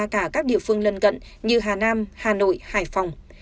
cả các địa phương lân cận như hà nam hà nội hải phòng